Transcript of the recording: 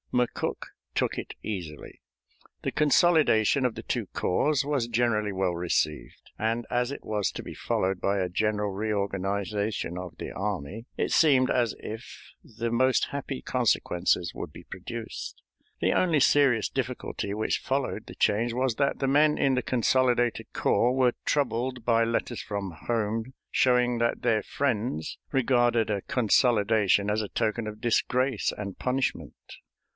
McCook took it easily. The consolidation of the two corps was generally well received, and, as it was to be followed by a general reorganization of the army, it seemed as if the most happy consequences would be produced. The only serious difficulty which followed the change was that the men in the consolidated corps were troubled by letters from home, showing that their friends regarded a consolidation as a token of disgrace and punishment.